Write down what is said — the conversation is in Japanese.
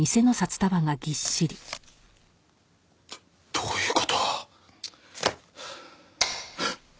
どういう事？